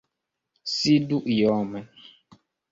Sidu iom!